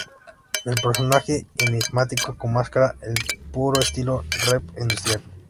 El personaje enigmático con máscara al puro estilo Rave-industrial.